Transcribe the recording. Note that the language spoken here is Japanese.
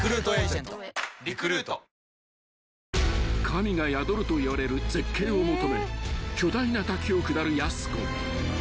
［神が宿るといわれる絶景を求め巨大な滝を下るやす子］